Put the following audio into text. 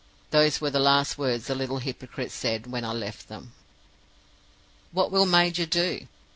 Those were the last words the little hypocrite said, when I left them. "What will the major do?